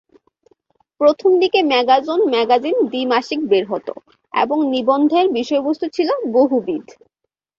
প্রথমদিকে mega zone magazine দ্বি-মাসিক বের হত এবং নিবন্ধের বিষয়বস্তু ছিলো বহুবিধ।